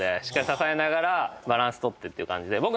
しっかり支えながらバランス取ってという感じで。